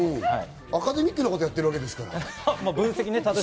アカデミックなことをやってるわけですから。